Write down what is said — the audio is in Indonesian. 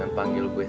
sampai jumpa lagi